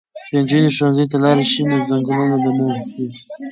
که نجونې ښوونځي ته لاړې شي نو ځنګلونه به نه وهل کیږي.